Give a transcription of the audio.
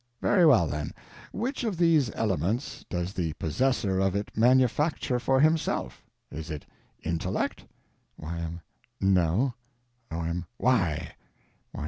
Very well, then; which of these elements does the possessor of it manufacture for himself? Is it intellect? Y.M. No. O.M. Why?